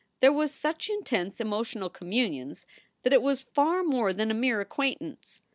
There were such intense emotional communions that it was far more than a mere acquaintance.